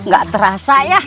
gak terasa ya